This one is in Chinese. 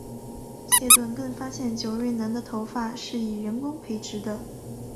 谢顿更发现久瑞南的头发是以人工培植的。